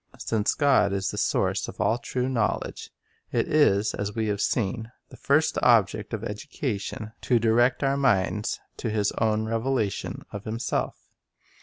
Since God is the source of all true knowledge, it is, Hwehition as we have seen, the first object of education to direct our minds to His own revelation of Himself.